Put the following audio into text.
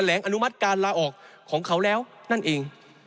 ลงอนุมัติการลาออกของเขาแล้วนั่นเอง